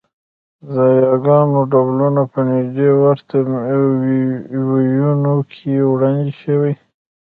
د یاګانو ډولونه په نږدې ورته وییونو کې وړاندې شوي